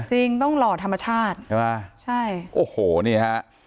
จริงต้องหล่อธรรมชาติใช่ไหมใช่โอ้โหนี่ฮะ